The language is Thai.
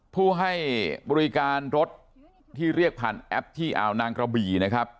ผู้ให้บริการรถที่เรียกผ่านแอปที่อ่าวนางกระบี่นะครับ